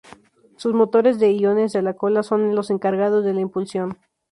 Sus motores de iones de la cola son los encargados de la impulsión.